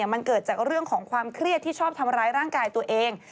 มันเกิดจากเรื่องของความเครียดที่ชอบทำร้ายร่างกายตัวเอง